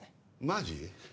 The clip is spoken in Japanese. マジ？